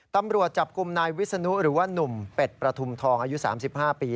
ตำรวจจับกลุ่มนายวิศนุหรือว่านุ่มเป็ดประทุมทองอายุ๓๕ปี